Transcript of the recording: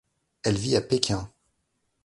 Elle vit à Pékin.